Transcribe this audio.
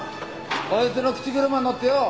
こいつの口車に乗ってよ